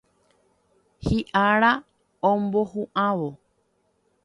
Hi'ára omohu'ãvo.